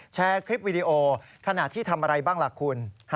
แชร์คลิปวิดีโอขณะที่ทำอะไรบ้างล่ะคุณ